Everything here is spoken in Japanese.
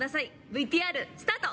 ＶＴＲスタート！